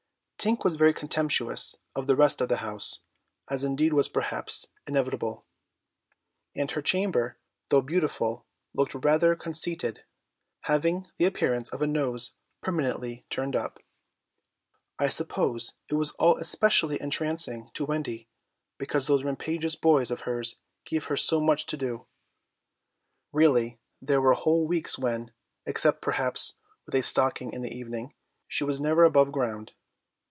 Tink was very contemptuous of the rest of the house, as indeed was perhaps inevitable, and her chamber, though beautiful, looked rather conceited, having the appearance of a nose permanently turned up. I suppose it was all especially entrancing to Wendy, because those rampagious boys of hers gave her so much to do. Really there were whole weeks when, except perhaps with a stocking in the evening, she was never above ground.